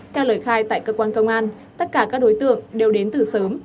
theo lời khai tại cơ quan công an tất cả các đối tượng đều đến từ sớm